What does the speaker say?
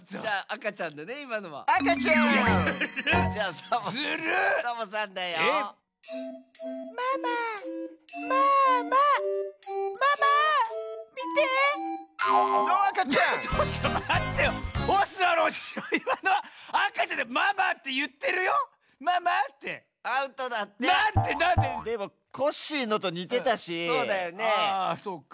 あそうか。